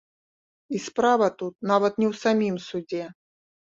І справа тут нават не ў самім судзе.